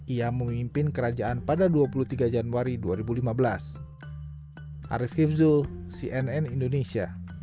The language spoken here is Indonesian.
ia memimpin kerajaan pada dua puluh tiga januari dua ribu lima belas